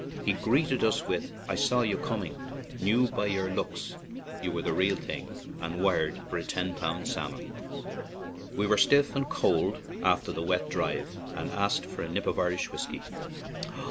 He greeted us with: "J saw you coming; knew by your looks you were the real thing, and wired for a ten pound salmon/' We were stiff and cold after the wet drive, and asked for a nip of Irish whiskey.